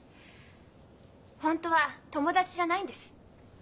本当は友達じゃないんです。